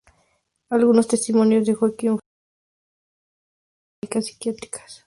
Algunos testimonios de Joaquín Font los realiza desde clínicas psiquiátricas.